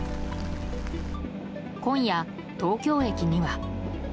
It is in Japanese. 今夜、東京駅には。